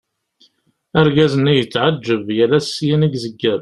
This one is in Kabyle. Argaz-nni yetɛeğğeb, yal ass syin i zegger.